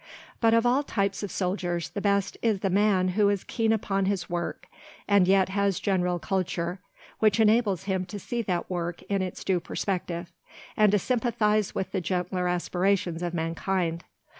But of all types of soldier the best is the man who is keen upon his work, and yet has general culture which enables him to see that work in its due perspective, and to sympathize with the gentler aspirations of mankind.